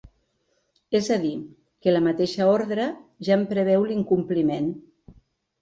És a dir, que la mateixa ordre ja en preveu l’incompliment.